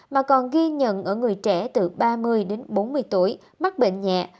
mà còn ghi nhận ở người trẻ từ ba mươi đến bốn mươi tuổi mắc bệnh nhẹ